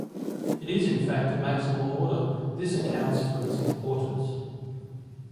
It is in fact a maximal order; this accounts for its importance.